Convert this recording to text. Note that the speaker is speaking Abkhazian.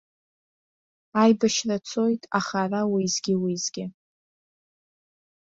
Аибашьра цоит, аха ара уеизгьы-уеизгьы.